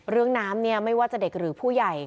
เรื่องน้ำไม่ว่าจะเด็กหรือผู้ใหญ่